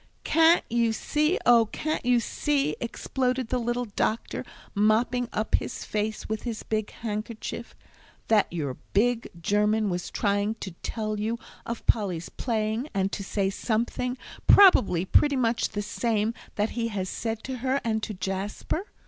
"Can't you see, oh, can't you see," exploded the little doctor, mopping up his face with his big handkerchief, "that your big German was trying to tell you of Polly's playing, and to say something, probably pretty much the same that he has said to her and to Jasper?